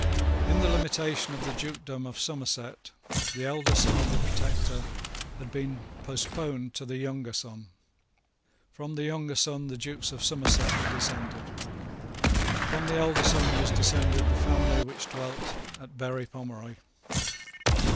In the limitation of the dukedom of Somerset, the elder Son of the Protector had been postponed to the younger son. From the younger son the Dukes of Somerset were descended. From the elder son was descended the family which dwelt at Berry Pomeroy.